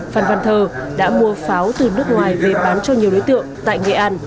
phan văn thơ đã mua pháo từ nước ngoài về bán cho nhiều đối tượng tại nghệ an